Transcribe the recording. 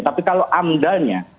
tapi kalau amdalnya